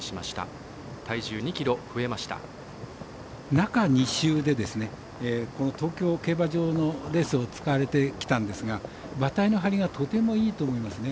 中２週でこの東京競馬場のレースを使われてきたんですが馬体のハリがとてもいいと思いますね。